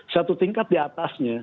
satu tingkat di atasnya